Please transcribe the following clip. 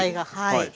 はい。